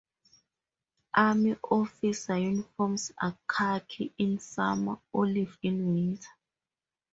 Army officer uniforms are khaki in summer, olive in winter.